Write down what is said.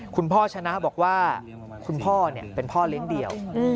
คุณพ่อชนะบอกว่าคุณพ่อเป็นพ่อเลี้ยงเดี่ยว